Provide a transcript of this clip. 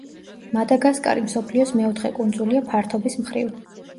მადაგასკარი მსოფლიოს მეოთხე კუნძულია ფართობის მხრივ.